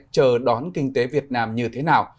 chờ đón kinh tế việt nam như thế nào